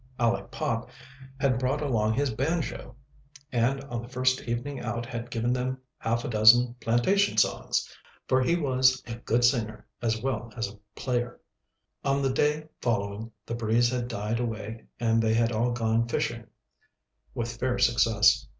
Aleck Pop had brought along his banjo, and on the first evening out had given them half a dozen plantation songs, for he was a good singer as well as player. On the day following the breeze had died away and they had all gone fishing, with fair success.